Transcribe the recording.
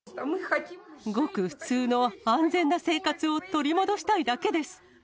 ごく普通の安全な生活を取り戻したいだけです。